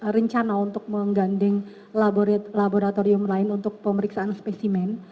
kenapa rencana untuk mengganding laboratorium lain untuk pemeriksaan spesimen